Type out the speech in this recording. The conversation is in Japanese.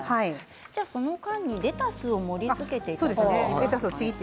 その間にレタスを盛りつけていただいて。